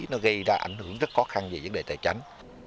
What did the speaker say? nó gây ra ảnh hưởng rất khó khăn về vấn đề tài chánh